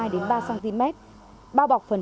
đến ba cm bao bọc phần